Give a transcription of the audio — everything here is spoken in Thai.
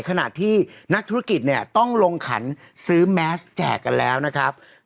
ขณะที่นักธุรกิจเนี่ยต้องลงขันซื้อแมสแจกกันแล้วนะครับ